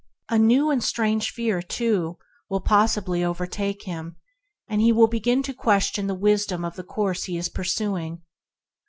A new and strange fear, too, will overtake him, and he will begin to question the wisdom of the course he is pursuing.